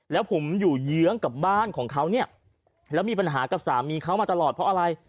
แล้วผมอยู่เยื้องกับบ้านของเขาเนี่ยแล้วมีปัญหากับสามีเขามาตลอดเพราะอะไร